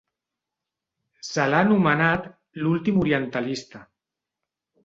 Se l'ha anomenat "l'últim orientalista".